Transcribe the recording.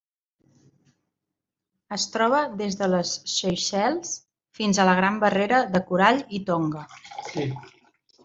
Es troba des de les Seychelles fins a la Gran Barrera de Corall i Tonga.